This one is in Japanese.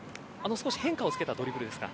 少し変化をつけたドリブルですか。